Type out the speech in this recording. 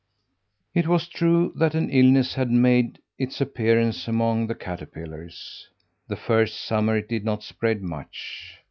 It was true that an illness had made its appearance among the caterpillars. The first summer it did not spread much.